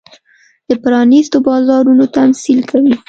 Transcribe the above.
د پرانېستو بازارونو تمثیل کوي.